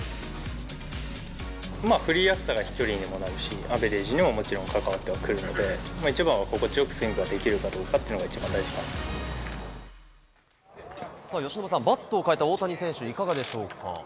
まあ、振りやすさが飛距離にもなるし、アベレージにももちろん関わってはくるので、一番は心地よくスイングができるかどうかというのが一番大事かな由伸さん、バットを変えた大谷選手、いかがでしょうか。